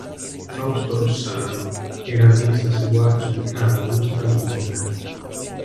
Fausto Rossano è analista seguace di Carl Gustav Jung.